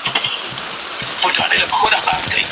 دا احسان منم چي په جواب دي نازولی یم